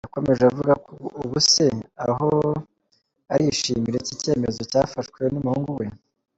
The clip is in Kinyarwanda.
Yakomeje avuga ko ubu se aho ari yishimira iki cyemezo cyafashwe n’umuhungu we.